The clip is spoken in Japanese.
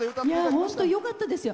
本当よかったですよ。